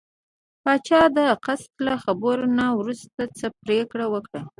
پاچا د قاصد له خبرو نه وروسته څه پرېکړه وکړه.